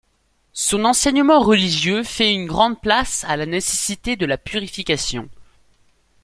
Son enseignement religieux fait une grande place à la nécessité de la purification.